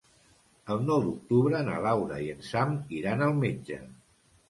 El nou d'octubre na Laura i en Sam iran al metge.